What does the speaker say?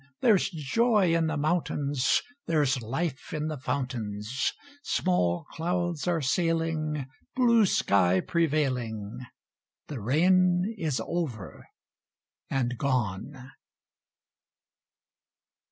There's joy in the mountains; There's life in the fountains; Small clouds are sailing, Blue sky prevailing; The rain is over and gone!